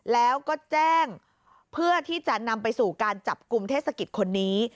แล้วก็แจ้งเพื่อที่จะนำไปสู่การจับกลุ่มเทศกิจคนนี้